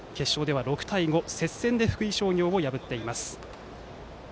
決勝では６対５接戦で福井商業を破っています。